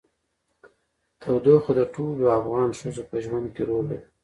تودوخه د ټولو افغان ښځو په ژوند کې رول لري.